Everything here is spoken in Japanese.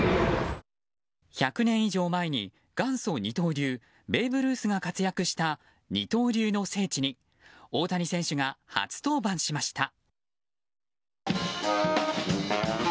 １００年以上前に元祖二刀流ベーブ・ルースが活躍した二刀流の聖地に大谷選手が初登板しました。